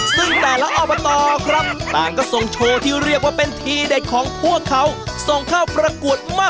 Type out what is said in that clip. ซึ่งแต่ละอบตครับต่างก็ส่งโชว์ที่เรียกว่าเป็นทีเด็ดของพวกเขาส่งเข้าประกวดมาก